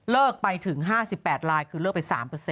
ไปถึง๕๘ลายคือเลิกไป๓